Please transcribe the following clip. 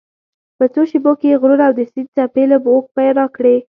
په څو شیبو کې یې غرونه او د سیند څپې له موږ پناه کړې.